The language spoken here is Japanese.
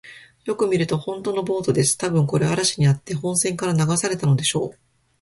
よく見ると、ほんとのボートです。たぶん、これは嵐にあって本船から流されたのでしょう。